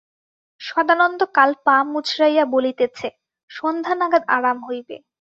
সদানন্দ কাল পা মুচড়াইয়া বলিতেছে, সন্ধ্যা নাগাদ আরাম হইবে।